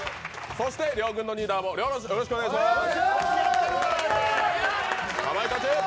そして両軍のリーダーもよろしくお願いします。